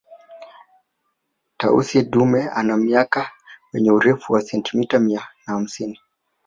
Tausi dume ana mkia wenye Urefu wa sentimita mia na hamsini